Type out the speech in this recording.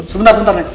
sebentar sebentar neng